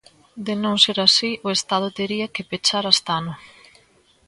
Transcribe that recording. de non ser así, o Estado tería que pechar Astano.